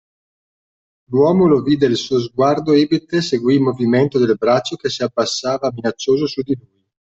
L'uomo lo vide e il suo sguardo ebete seguì il movimento del braccio che si abbassava minaccioso su di lui